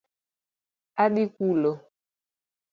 Adhi kulo